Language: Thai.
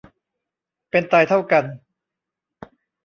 เป็นตายเท่ากัน